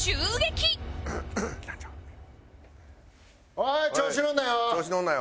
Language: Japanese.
おい調子乗るなよ。